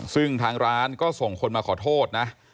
ซึ่งทางร้านก็ส่งคนมาขอโทษนะ